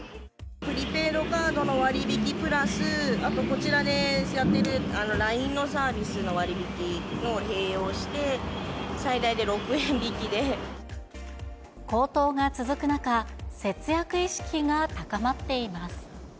プリペイドカードの割引プラス、あとこちらでやってるＬＩＮＥのサービスの割引も併用して、高騰が続く中、節約意識が高まっています。